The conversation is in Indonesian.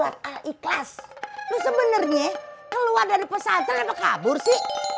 alat ikhlas lu sebenernya keluar dari pesantren apa kabur sih